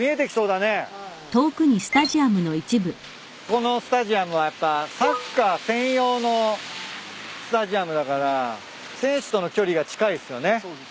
このスタジアムはやっぱサッカー専用のスタジアムだから選手との距離が近いっすよね。